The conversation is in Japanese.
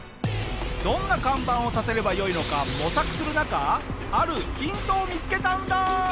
どんな看板を立てればよいのか模索する中あるヒントを見付けたんだ。